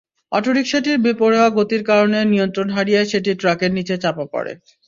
অটোরিকশাটির বেপরোয়া গতির কারণে নিয়ন্ত্রণ হারিয়ে সেটি ট্রাকের নিচে চাপা পড়ে।